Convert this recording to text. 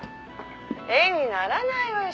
「画にならないわよ